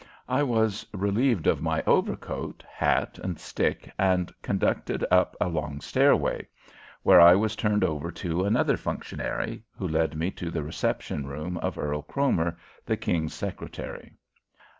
I was relieved of my overcoat, hat, and stick and conducted up a long stairway, where I was turned over to another functionary, who led me to the reception room of Earl Cromer, the King's secretary.